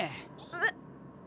えっ！